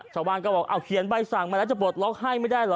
ชาวบ้านก็บอกเอาเขียนใบสั่งมาแล้วจะปลดล็อกให้ไม่ได้เหรอ